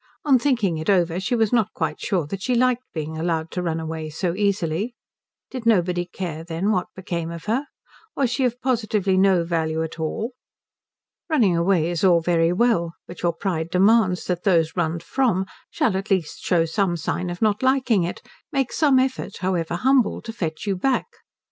On thinking it over she was not quite sure that she liked being allowed to run away so easily. Did nobody care, then, what became of her? Was she of positively no value at all? Running away is all very well, but your pride demands that those runned from shall at least show some sign of not liking it, make some effort, however humble, to fetch you back.